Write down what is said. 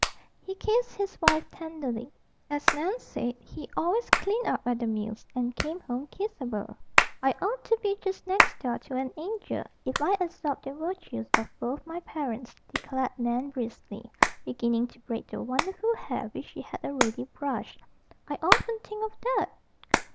He kissed his wife tenderly. As Nan said, he always "cleaned up" at the mills and "came home kissable." "I ought to be just next door to an angel, if I absorbed the virtues of both my parents," declared Nan briskly, beginning to braid the wonderful hair which she had already brushed. "I often think of that."